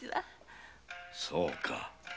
そうか。